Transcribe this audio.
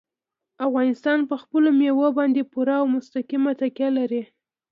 افغانستان په خپلو مېوو باندې پوره او مستقیمه تکیه لري.